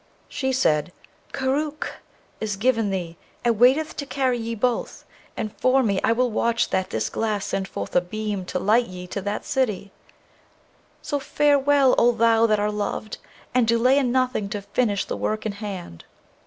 She said, 'Koorookh is given thee, and waiteth to carry ye both; and for me I will watch that this glass send forth a beam to light ye to that city; so farewell, O thou that art loved! And delay in nothing to finish the work in hand.'